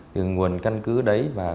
từ nguồn căn cứ đấy